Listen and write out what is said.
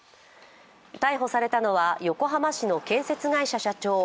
逮捕されたのは横浜市の建設会社社長、